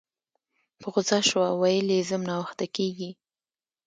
په غوسه شوه ویل یې ځم ناوخته کیږي